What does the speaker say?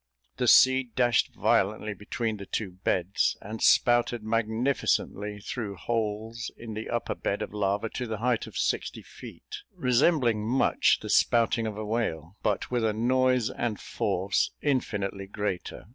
The sea dashed violently between the two beds, and spouted magnificently through holes in the upper bed of lava to the height of sixty feet, resembling much the spouting of a whale, but with a noise and force infinitely greater.